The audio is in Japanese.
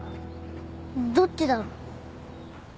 どっちだろ。